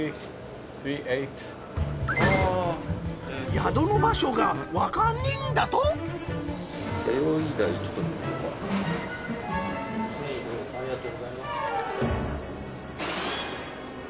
宿の場所がわかんねえんだと弥生台。